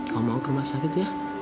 kamu mau ke rumah sakit ya